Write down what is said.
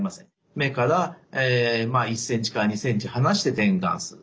目から１センチから２センチ離して点眼する。